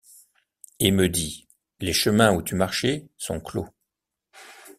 Et me dit: Les chemins où tu marchais sont clos.